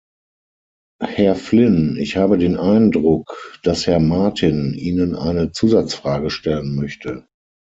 Herr Flynn, ich habe den Eindruck, dass Herr Martin Ihnen eine Zusatzfrage stellen möchte.